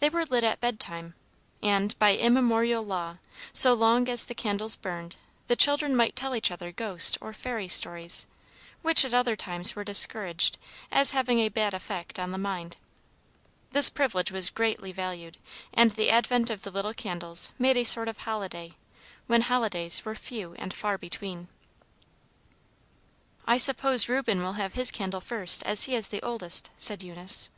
They were lit at bedtime, and, by immemorial law, so long as the candles burned, the children might tell each other ghost or fairy stories, which at other times were discouraged, as having a bad effect on the mind. This privilege was greatly valued, and the advent of the little candles made a sort of holiday, when holidays were few and far between. "I suppose Reuben will have his candle first, as he is the oldest," said Eunice.